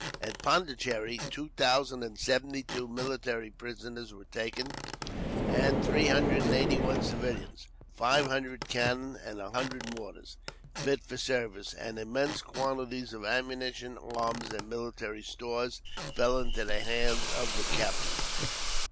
At Pondicherry two thousand and seventy two military prisoners were taken, and three hundred and eighty one civilians. Five hundred cannon and a hundred mortars, fit for service; and immense quantities of ammunition, arms, and military stores fell into the hands of the captors.